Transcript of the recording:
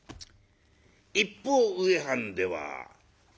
一方植半では。